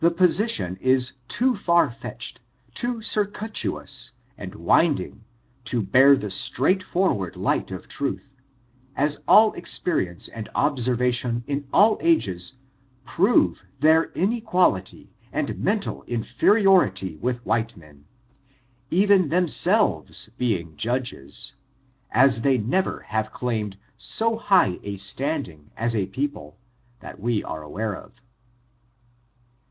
The position is too far fetched, too inrouiious and winding, to bear the straight forward light of truth, as all experience atid observation in all ages, prove their inequality and mental inferiority with white men, even themselves being judges, as they never have claimed so high a standing as a people, that we are aware of.